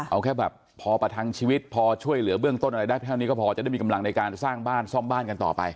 เอาแค่แบบพอประทังชีวิตพอช่วยเหลือเบื้องต้นอะไรได้เท่านี้ก็พอจะได้มีกำลังในการสร้างบ้านซ่อมบ้านกันต่อไป